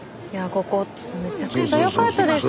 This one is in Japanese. ここめちゃくちゃ良かったですね。